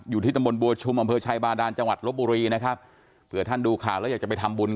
อยู่ที่ตำบลบัวชุมอำเภอชัยบาดานจังหวัดลบบุรีนะครับเผื่อท่านดูข่าวแล้วอยากจะไปทำบุญ